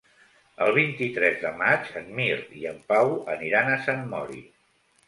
El vint-i-tres de maig en Mirt i en Pau aniran a Sant Mori.